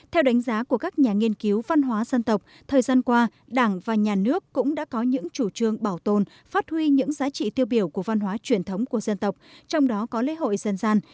theo đánh giá của các nhà nghiên cứu văn hóa dân tộc thời gian qua đảng và nhà nước cũng đã có những chủ trương bảo tồn phát huy những giá trị tiêu biểu của văn hóa truyền thống của dân tộc trong đó có lễ hội dân gian